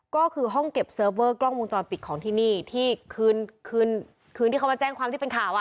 ก็คือห้องเก็บเซิร์ฟเวอร์กล้องวงจรปิดของที่นี่ที่คืนคืนที่เขามาแจ้งความที่เป็นข่าวอ่ะ